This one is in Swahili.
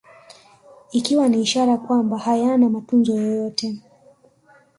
Ikiwa ni ishara kwamba hayana matunzo yoyote